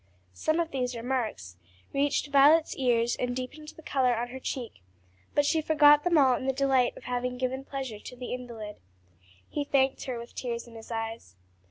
Some of these remarks reached Violet's ears and deepened the color on her cheek, but she forgot them all in the delight of having given pleasure to the invalid. He thanked her with tears in his eyes.